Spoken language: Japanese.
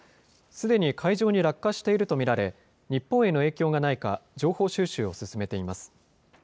すでに海上に落下していると見られ日本への影響がないか情報収集を進めています。